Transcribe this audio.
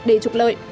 để trục lợi